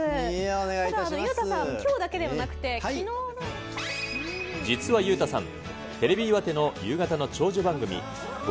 裕太さん、きょうだけではな実は裕太さん、テレビ岩手の夕方の長寿番組、５